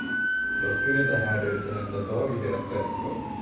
Jag skulle inte härda ut en enda dag i deras sällskap.